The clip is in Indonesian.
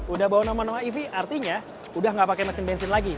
udah bawa nomor nomor ev artinya udah gak pakai mesin bensin lagi